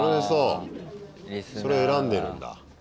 それを選んでるんだ。